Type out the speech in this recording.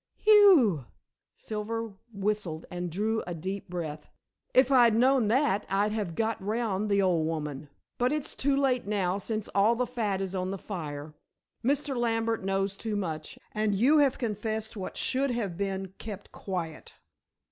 "Whew!" Silver whistled and drew a deep breath. "If I'd known that, I'd have got round the old woman. But it's too late now since all the fat is on the fire. Mr. Lambert knows too much, and you have confessed what should have been kept quiet."